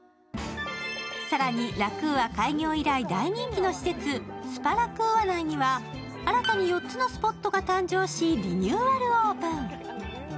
更に、ＬａＱｕａ開業以来大人気の施設、ＳｐａＬａＱｕａ内には新たに４つのスポットが誕生しリニューアルオープン。